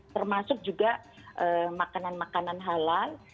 termasuk juga makanan makanan halal